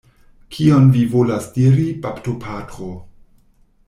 Kion vi volas diri, baptopatro?